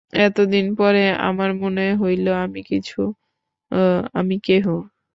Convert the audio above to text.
এতদিনের পরে আমার মনে হইল, আমি কিছু, আমি কেহ।